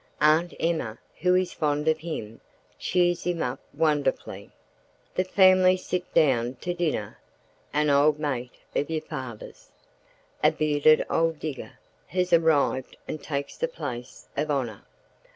Aunt Emma, who is fond of him, cheers him up wonderfully. The family sit down to dinner. "An old mate of your father's"—a bearded old digger—has arrived and takes the place of honour.